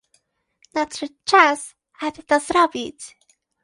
Nadszedł czas, aby to zrobić